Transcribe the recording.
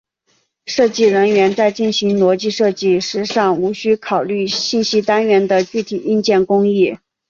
设计人员在进行逻辑设计时尚无需考虑信息单元的具体硬件工艺。